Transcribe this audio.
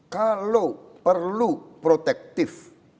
kalau perlu protektif